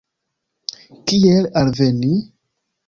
Kiel alveni?